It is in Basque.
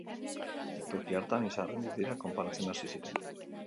Behatoki hartan izarren distirak konparatzen hasi ziren.